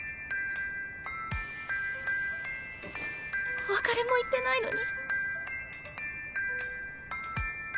お別れも言ってないのに。